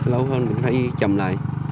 lâu hơn hay chậm lại